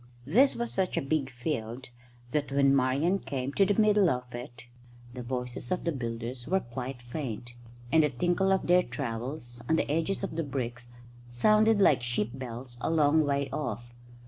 This was such a big field that when Marian came to the middle of it the voices of the builders were quite faint, and the tinkle of their trowels on the edges of the bricks sounded like sheep bells a long way off.